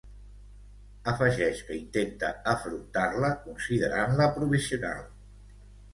Afegeix que intenta afrontar-la considerant-la provisional.